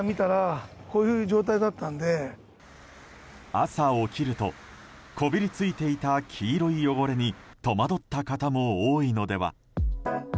朝起きるとこびりついていた黄色い汚れに戸惑った方も多いのでは。